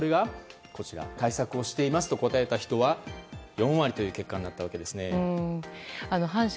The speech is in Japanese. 対策をしていますと答えた人は４割という結果になりました。